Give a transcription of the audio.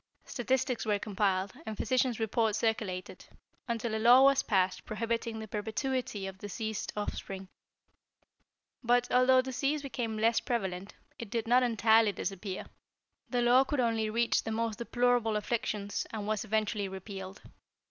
"Statistics were compiled, and physician's reports circulated, until a law was passed prohibiting the perpetuity of diseased offspring. But, although disease became less prevalent, it did not entirely disappear. The law could only reach the most deplorable afflictions, and was eventually repealed.